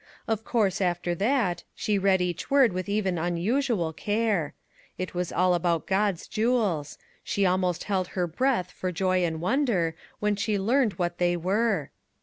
Of course, after that, she read each word with even unusual care. It was all about God's jewels ; she almost held her breath for joy and wonder when she learned what they were.